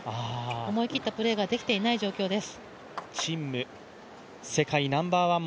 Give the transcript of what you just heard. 思い切ったプレーができていない状況です。